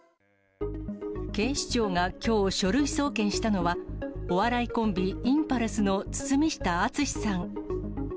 警視庁がきょう、書類送検したのはお笑いコンビ、インパルスの堤下敦さん。